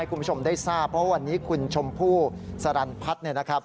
ให้คุณผู้ชมได้ทราบเพราะวันนี้คุณชมผู้สรรพัฒน์